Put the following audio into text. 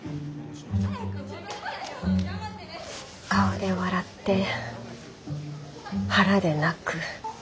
顔で笑って腹で泣く。